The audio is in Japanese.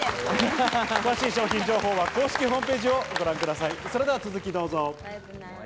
詳しい商品情報は公式ホームページをご覧ください。